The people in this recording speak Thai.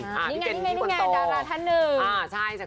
นี่ไงนี่ไงนี่ไงดาราท่านหนึ่ง